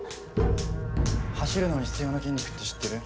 走るのに必要な筋肉って知ってる？